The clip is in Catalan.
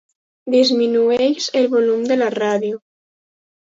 Disminueix el volum de la ràdio.